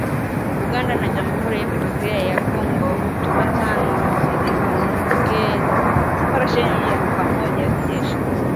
Uganda na Jamhuri ya Kidemokrasi ya Kongo Jumatano ziliongeza operesheni ya pamoja ya kijeshi